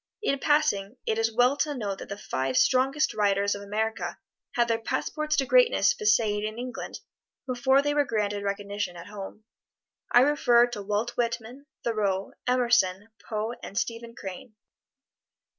In passing, it is well to note that the five strongest writers of America had their passports to greatness viséed in England before they were granted recognition at home. I refer to Walt Whitman, Thoreau, Emerson, Poe and Stephen Crane.